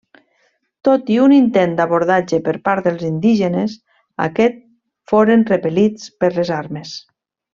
Tot i un intent d'abordatge per part dels indígenes, aquest foren repel·lits per les armes.